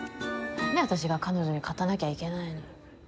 何で私が彼女に勝たなきゃいけないのよ。